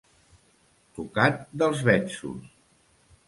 Tocat dels betzos!